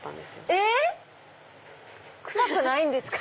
えっ⁉臭くないんですか？